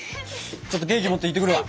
ちょっとケーキ持っていってくるわ。